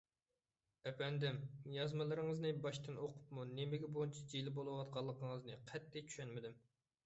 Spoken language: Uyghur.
ئەپەندىم، يازمىلىرىڭىزنى باشتىن ئوقۇپمۇ نېمىگە بۇنچە جىلە بولۇۋاتقانلىقىڭىزنى قەتئىي چۈشەنمىدىم.